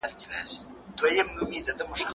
په افغانستان کې کلتور د ورورولۍ پیغام ورکوي.